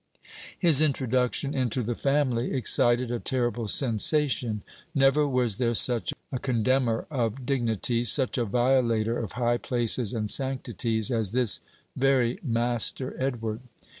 His introduction into the family excited a terrible sensation. Never was there such a condemner of dignities, such a violator of high places and sanctities, as this very Master Edward.